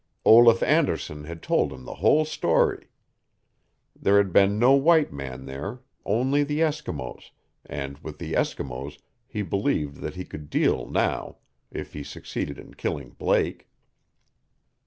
Olaf Anderson had told him the whole story. There had been no white man there only the Eskimos, and with the Eskimos he believed that he could deal now if he succeeded in killing Blake.